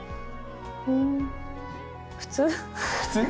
うーん普通？